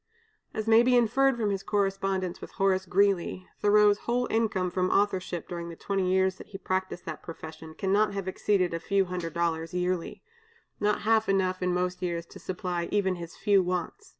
As may be inferred from his correspondence with Horace Greeley, Thoreau's whole income from authorship during the twenty years that he practiced that profession, cannot have exceeded a few hundred dollars yearly, not half enough in most years to supply even his few wants.